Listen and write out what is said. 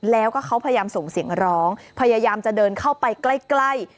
แล้วก็เขาพยายามส่งเสียงร้องพยายามจะเดินเข้าไปใกล้